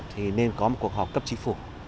thì nên có một cuộc họp cấp trí phục